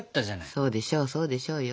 そうでしょうそうでしょうよ。